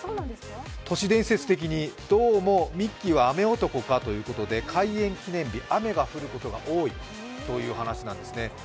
都市伝説的に、どうもミッキーは雨男かということで開園記念日、雨が降ることが多いという話なんですね。